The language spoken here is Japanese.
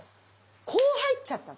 こう入っちゃったの。